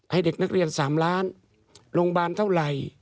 ให้เด็กนักเรียน๓ล้านโรงพยาบาลเท่าไหร่